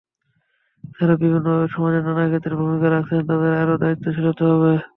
যাঁরা বিভিন্নভাবে সমাজের নানা ক্ষেত্রে ভূমিকা রাখছেন, তাঁদের আরও দায়িত্বশীল হতে হবে।